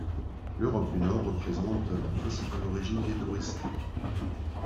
L’Europe du Nord représente la principale origine des touristes.